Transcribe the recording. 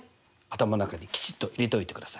頭の中にきちっと入れておいてください。